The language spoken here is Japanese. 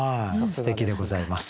すてきでございます。